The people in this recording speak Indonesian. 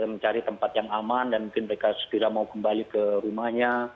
mencari tempat yang aman dan mungkin mereka segera mau kembali ke rumahnya